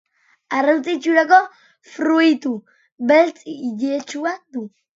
Arrautza itxurako fruitu beltz iletsua du.